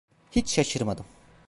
Hiç şaşırmadım.